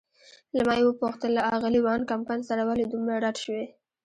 له ما یې وپوښتل: له آغلې وان کمپن سره ولې دومره رډ شوې؟